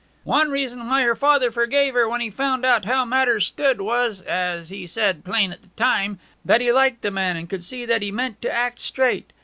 'One reason why her father forgave her when he found out how matters stood was, as he said plain at the time, that he liked the man, and could see that he meant to act straight.